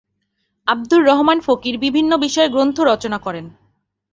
আবদুর রহমান ফকির বিভিন্ন বিষয়ে গ্রন্থ রচনা করেন।